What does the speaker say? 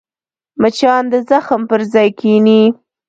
مچان د زخم پر ځای کښېني